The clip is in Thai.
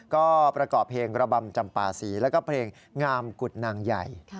ก็ประกอบเพลงระบำจำปาศีแล้วก็เพลงงามกุฎนางใหญ่